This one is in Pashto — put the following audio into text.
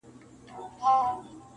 جهانی به له بهاره د سیلیو لښکر یوسي-